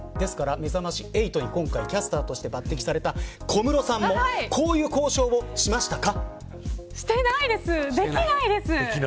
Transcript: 今回めざまし８のキャスターに抜てきされた小室さんもこういう交渉しましたか。